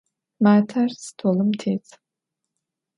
Mater stolım têt.